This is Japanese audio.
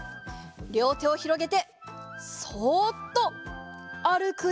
りょうてをひろげてそっとあるくでござる。